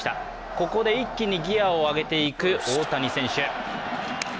ここで一気にギヤを上げていく大谷選手。